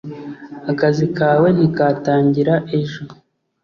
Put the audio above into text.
Akazi kawe ntikatangira ejo